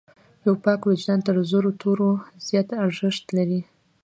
یو پاک وجدان تر زرو تورو زیات ارزښت لري.